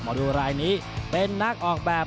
ดูรายนี้เป็นนักออกแบบ